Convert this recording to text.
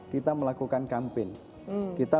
kita melakukan kampen kita